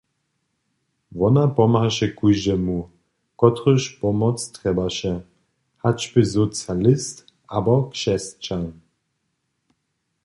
Wona pomhaše kóždemu, kotryž pomoc trjebaše, hač bě socialist abo křesćan.